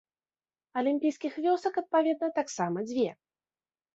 Алімпійскіх вёсак, адпаведна, таксама дзве.